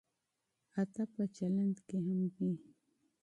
ادب په چلند کې هم وي.